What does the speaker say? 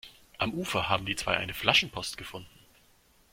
Am Ufer haben die zwei eine Flaschenpost gefunden.